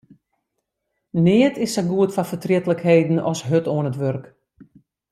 Neat is sa goed foar fertrietlikheden as hurd oan it wurk.